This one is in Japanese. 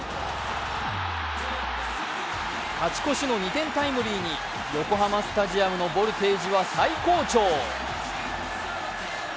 勝ち越しの２点タイムリーに横浜スタジアムのボルテージは最高潮。